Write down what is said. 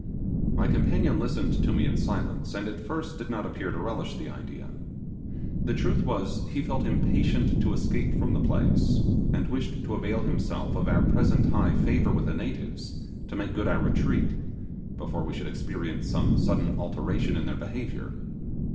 My companion listened to me in silence, and at first did not appear to relish the idea. The truth was, he felt impatient to escape from the place, and wished to avail himself of our present high favour with the natives to make good our retreat, before we should experience some sudden alteration in their behaviour.